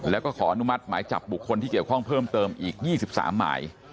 แล้วก็ขออนุมัติหมายจับบุคคลที่เกี่ยวข้องเพิ่มเติมอีก๒๓หมาย